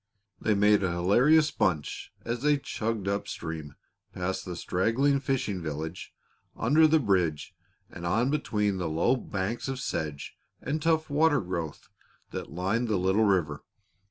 They made a hilarious bunch as they chugged upstream past the straggling fishing village, under the bridge, and on between the low banks of sedge and tough water growth that lined the little river.